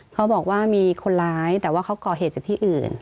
เขาบอกว่ามีคนร้ายแต่ว่าเขาก่อเหตุจากที่อื่น